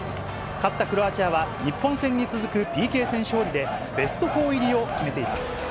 勝ったクロアチアは日本戦に続くＰＫ戦勝利で、ベスト４入りを決めています。